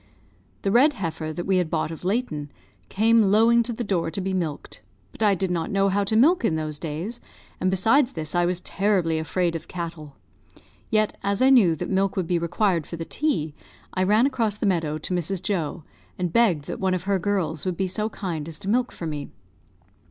The red heifer that we had bought of Layton, came lowing to the door to be milked; but I did not know how to milk in those days, and, besides this, I was terribly afraid of cattle. Yet, as I knew that milk would be required for the tea, I ran across the meadow to Mrs. Joe, and begged that one of her girls would be so kind as to milk for me.